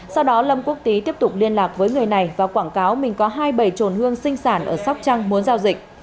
sau đó lâm quốc tý tiếp tục liên lạc với người này và quảng cáo mình có hai bầy trộn hương sinh sản ở sóc trăng muốn giao dịch